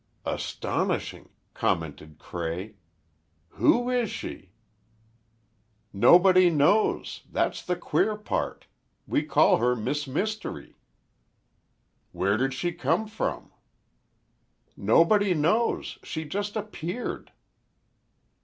"Astonishing!" commented Cray. "Who is she?" "Nobody knows, that's the queer part. We call her Miss Mystery." "Where did she come from?" "Nobody knows. She just appeared."